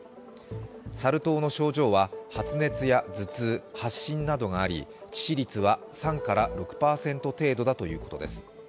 サル痘の症状は発熱や頭痛、発疹などがあり致死率は３６％程度だということです。